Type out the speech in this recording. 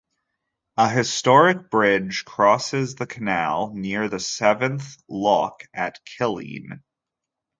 A historic bridge crosses the canal near the seventh lock at Killeen.